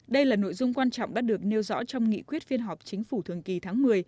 đây là nội dung quan trọng đã được nêu rõ trong nghị quyết phiên họp chính phủ thường kỳ tháng một mươi